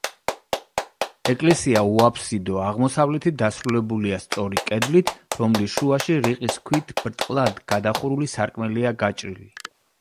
ეკლესია უაფსიდოა, აღმოსავლეთით დასრულებულია სწორი კედლით, რომლის შუაში რიყის ქვით ბრტყლად გადახურული სარკმელია გაჭრილი.